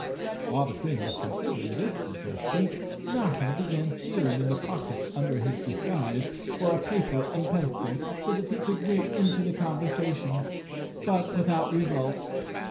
Wliile the Queen was considering this suggestion, Notta began feeling in the pockets under his disguise for a paper and pencil, so that he could get into the conversation, but without result.